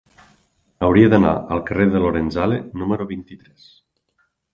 Hauria d'anar al carrer de Lorenzale número vint-i-tres.